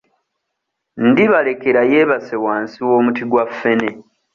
Ndibalekera yeebase wansi w'omuti gwa ffene